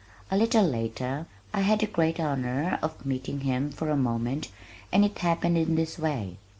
A little later I had the great honor of meeting him for a moment and it happened in this way.